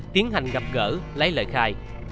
tiến hành gặp gỡ lấy lời khai